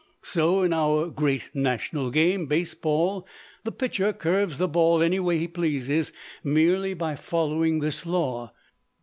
So in our "great national game," base ball, the pitcher curves the ball any way he pleases merely by following this law.